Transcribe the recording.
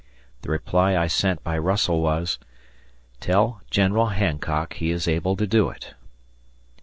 The reply I sent by Russell was, "Tell General Hancock he is able to do it."